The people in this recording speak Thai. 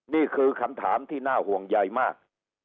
นี่คือคำถามที่น่าห่วงใยมาก